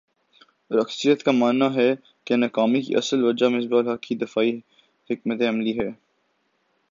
اور اکثریت کا ماننا ہے کہ ناکامی کی اصل وجہ مصباح الحق کی دفاعی حکمت عملی ہے